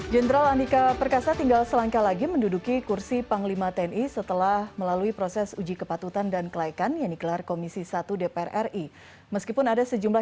jenderal andika perkasa